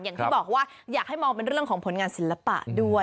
อย่างที่บอกว่าอยากให้มองเป็นเรื่องของผลงานศิลปะด้วย